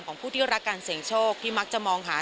ของผู้ที่รักการเสี่ยงโชคที่มักจะมองหา